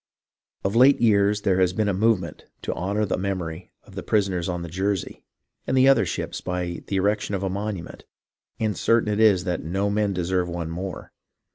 Of late years there has been a movement to honour the memory of the prisoners on iheyersey and the other ships by the erection of a monument, and certain it is no men deserve one more.